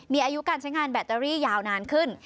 มีอายุการใช้งานแบตเตอรี่ยาวนานขึ้น